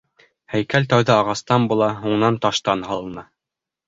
Һәйкәл тәүҙә ағастан була, һуңынан таштан һалына.